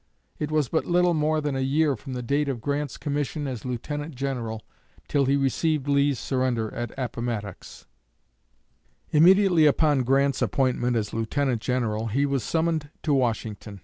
It was but little more than a year from the date of Grant's commission as Lieutenant General till he received Lee's surrender at Appomattox. Immediately upon Grant's appointment as Lieutenant General, he was summoned to Washington.